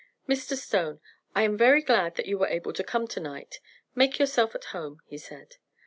"Mr. Stone, I am very glad that you were able to come tonight. Make yourself at home," he said.